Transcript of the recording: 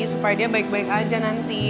supaya dia baik baik aja nanti